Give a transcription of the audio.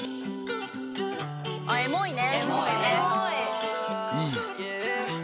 エモいね。